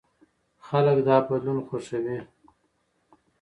خلک دا بدلون خوښوي.